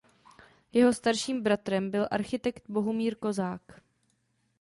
Jeho starším bratrem byl architekt Bohumír Kozák.